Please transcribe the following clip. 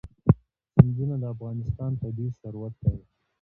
سیندونه د افغانستان طبعي ثروت دی.